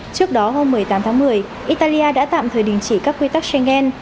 trước đó hôm một mươi tám tháng một mươi italia đã tạm thời đình chỉ các quy tắc schengen